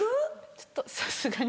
ちょっとさすがに。